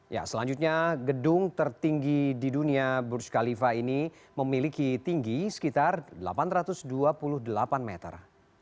ya selanjutnya gedung tertinggi di dunia burj khalifa ini memiliki tinggi sekitar delapan ratus dua puluh delapan meter